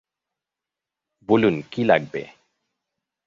বলুন কী লাগবে?